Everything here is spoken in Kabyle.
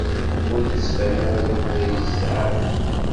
Ur yettban ara Yuba yezɛef.